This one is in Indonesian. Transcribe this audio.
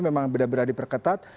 memang benar benar diperketat